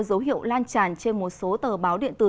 dấu hiệu lan tràn trên một số tờ báo điện tử